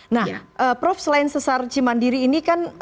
nah prof selain sesar cimandiri ini kan